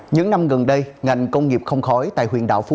những năm gần đây ngành công nghiệp không khói tại huyện đạo pháp